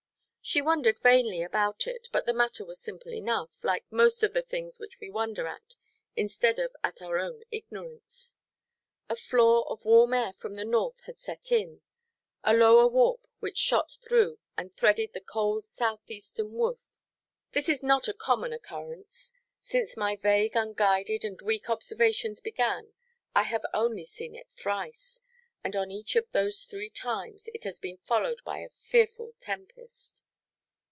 She wondered vainly about it, but the matter was simple enough, like most of the things which we wonder at, instead of at our own ignorance. A flaw of warm air from the north had set in; a lower warp which shot through and threaded the cold south–eastern woof. This is not a common occurrence. Since my vague, unguided, and weak observations began, I have only seen it thrice. And on each of those three times it has been followed by a fearful tempest.